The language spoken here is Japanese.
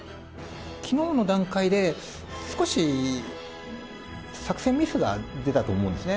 きのうの段階で、少し作戦ミスが出たと思うんですね。